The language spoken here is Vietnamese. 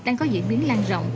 đang có diễn biến lan rộng